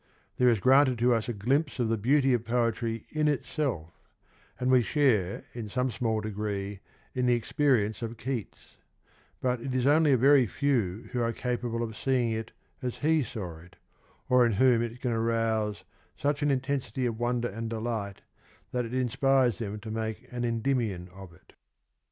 There is granted to us a glimpse of the beauty of poetry in itself, and we share in some small degree in the experience of Keats ; but it is only a very few who are capable of seeing it as he saw it, or in whom it can arouse such an intensity of wonder and delight that it inspires them to make an Endymion of it.